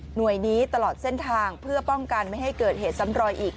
หน่วยนี้ตลอดเส้นทางเพื่อป้องกันไม่ให้เกิดเหตุซ้ำรอยอีก